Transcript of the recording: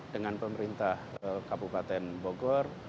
dengan pemerintah kabupaten bogor